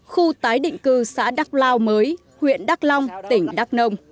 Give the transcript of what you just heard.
khu tái định cư xã đắk lao mới huyện đắk long tỉnh đắk nông